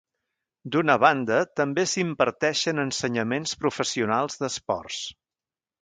D'una banda també s'imparteixen ensenyaments professionals d'esports.